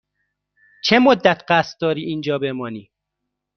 چه مدت قصد داری اینجا بمانی؟